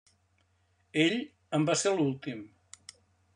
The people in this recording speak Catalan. Ell en va ser l'últim.